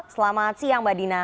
selamat siang mbak dina